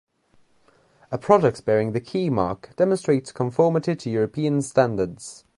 A product bearing the Keymark demonstrates conformity to European Standards.